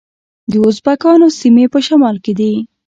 د ازبکانو سیمې په شمال کې دي